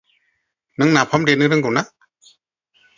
नों नाफाम देनो रोंगौ ना?